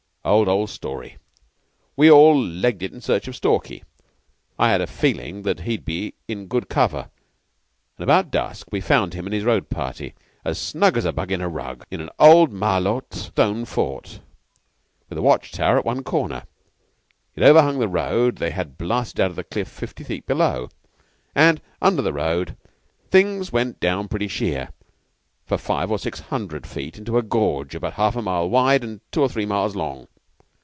'Old, old story! We all legged it in search of Stalky. I had a feeling that he'd be in good cover, and about dusk we found him and his road party, as snug as a bug in a rug, in an old Malôt stone fort, with a watch tower at one corner. It overhung the road they had blasted out of the cliff fifty feet below; and under the road things went down pretty sheer, for five or six hundred feet, into a gorge about half a mile wide and two or three miles long.